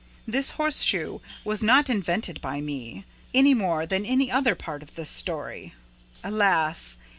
This horse shoe was not invented by me any more than any other part of this story, alas!